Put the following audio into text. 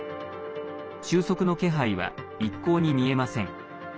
収束の気配は、一向に見えません。